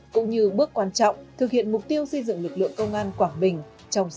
cũng như bước quan trọng thực hiện mục tiêu xây dựng lực lượng công an quảng bình